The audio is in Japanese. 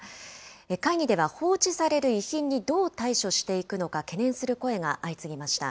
会議では放置される遺品にどう対処していくのか、懸念する声が相次ぎました。